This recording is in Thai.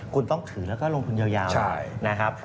คุณต้องถือแล้วก็ลงทุนยาวนะครับ